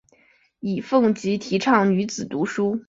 尹奉吉提倡女子读书。